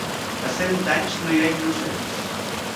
A cent anys no hi ha innocents.